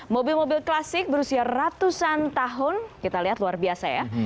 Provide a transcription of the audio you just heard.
mobil mobil klasik berusia ratusan tahun kita lihat luar biasa ya